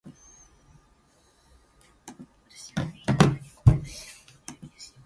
There are but a few hours to defeat The Evil One.